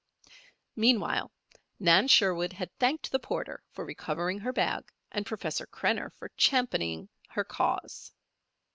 Meanwhile Nan Sherwood had thanked the porter for recovering her bag and Professor Krenner for championing her cause.